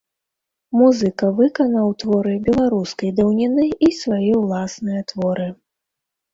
Музыка выканаў творы беларускай даўніны і свае ўласныя творы.